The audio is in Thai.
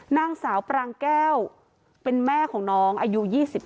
นางสาวปรางแก้วเป็นแม่ของน้องอายุ๒๓